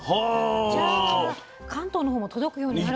じゃあ関東の方も届くようになるかも。